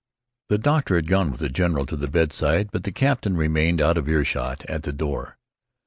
The doctor had gone with the general to the bedside, but the captain remained out of earshot at the door.